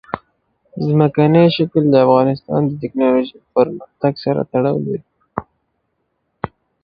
ځمکنی شکل د افغانستان د تکنالوژۍ له پرمختګ سره تړاو لري.